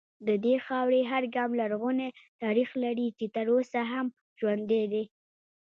د دې خاورې هر ګام لرغونی تاریخ لري چې تر اوسه هم ژوندی دی